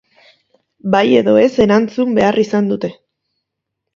Bai edo ez erantzun behar izan dute.